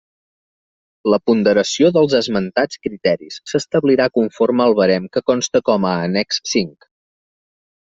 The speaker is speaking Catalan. La ponderació dels esmentats criteris s'establirà conforme al barem que consta com a annex cinc.